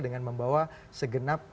dengan membawa segenap